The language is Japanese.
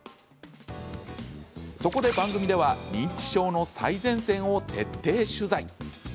そこで番組では認知症の最前線を徹底取材。